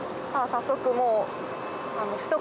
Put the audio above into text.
早速もう。